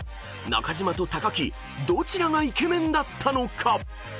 ［中島と木どちらがイケメンだったのか］